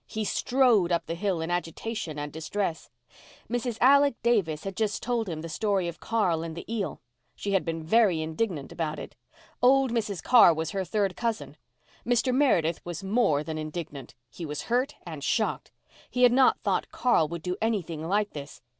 He strode up the hill in agitation and distress. Mrs. Alec Davis had just told him the story of Carl and the eel. She had been very indignant about it. Old Mrs. Carr was her third cousin. Mr. Meredith was more than indignant. He was hurt and shocked. He had not thought Carl would do anything like this.